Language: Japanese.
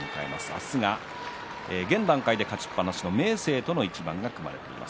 明日が現段階で勝ちっぱなしの明生との対戦が組まれています。